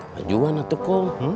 majuan atik kum